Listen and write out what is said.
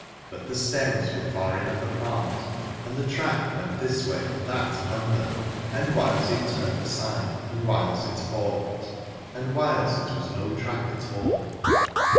But the stems were far enough apart and the track went this way and that among them, and whiles it turned aside and whiles it forked, and whiles it was no track at all.